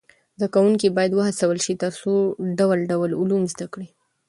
زده کوونکي باید و هڅول سي تر څو ډول ډول علوم زده کړي.